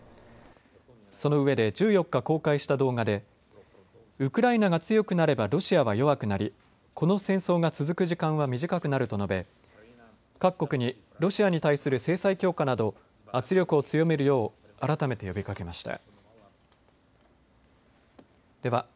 そのうえで１４日、公開した動画でウクライナが強くなればロシアは弱くなり、この戦争が続く時間は短くなると述べ各国にロシアに対する制裁強化など圧力を強めるよう改めて呼びかけました。